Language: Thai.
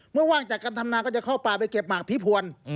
เมื่อหว้างจากการทำนานก็จะเข้าปลาไปเก็บมากผีผ่วน